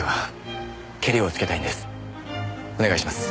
お願いします。